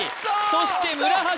そして村橋